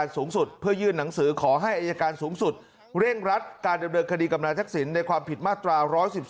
สูงสุดเพื่อยื่นหนังสือขอให้อายการสูงสุดเร่งรัดการดำเนินคดีกับนายทักษิณในความผิดมาตรา๑๑๒